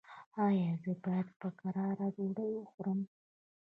ایا زه باید په کراره ډوډۍ وخورم؟